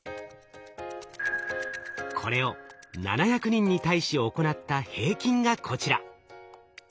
これを７００人に対し行った平均がこちら。